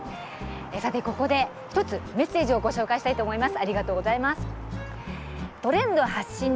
ここで１つメッセージをご紹介したいと思います。